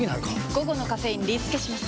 午後のカフェインリスケします！